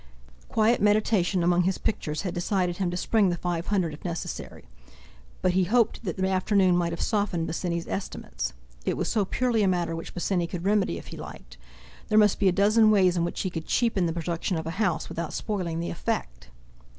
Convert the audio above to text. Quiet meditation among his pictures had decided him to spring the five hundred if necessary; but he hoped that the afternoon might have softened Bosinney's estimates. It was so purely a matter which Bosinney could remedy if he liked; there must be a dozen ways in which he could cheapen the production of a house without spoiling the effect.